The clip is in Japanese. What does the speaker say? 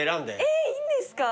えっいいんですか？